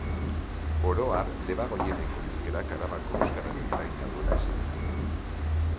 Oro har, Debagoieneko hizkerak Arabako euskararen eragina duela esan daiteke.